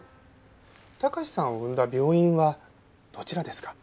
貴史さんを産んだ病院はどちらですか？